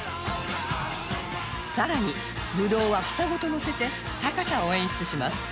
さらにブドウは房ごとのせて高さを演出します